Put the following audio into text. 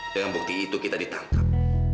dengan bukti itu kita ditangkap